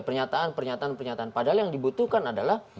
padahal yang dibutuhkan adalah